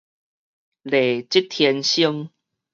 麗質天生